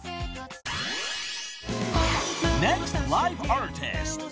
［ネクストライブアーティスト］